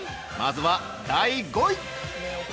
ますは第５位。